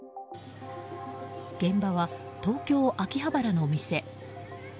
現場は東京・秋葉原の店。